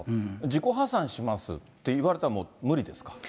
自己破産しますって言われたら、もう無理ですか？